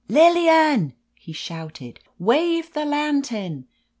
"Lillian !" he shouted. "Wave the lantern